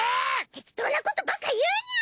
適当なことばっか言うニャン！